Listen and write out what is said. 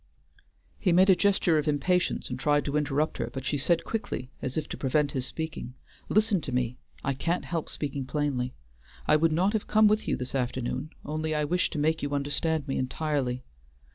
He made a gesture of impatience and tried to interrupt her, but she said quickly, as if to prevent his speaking: "Listen to me. I can't help speaking plainly. I would not have come with you this afternoon, only I wished to make you understand me entirely.